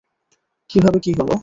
কিভাবে কী হল?